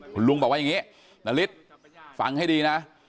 คุณลุงบอกว่าอย่างนี้นาริสฟังให้ดีนะ